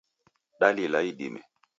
Dalila idime